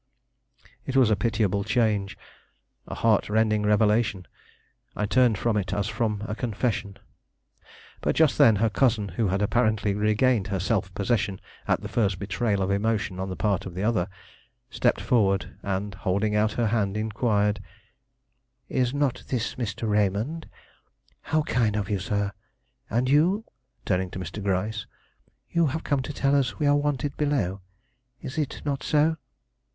It was a pitiable change; a heart rending revelation! I turned from it as from a confession. But just then, her cousin, who had apparently regained her self possession at the first betrayal of emotion on the part of the other, stepped forward and, holding out her hand, inquired: "Is not this Mr. Raymond? How kind of you, sir. And you?" turning to Mr. Gryce; "you have come to tell us we are wanted below, is it not so?"